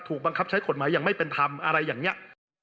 บังคับใช้กฎหมายอย่างไม่เป็นธรรมอะไรอย่างนี้